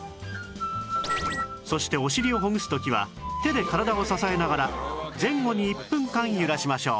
そしてお尻をほぐす時は手で体を支えながら前後に１分間揺らしましょう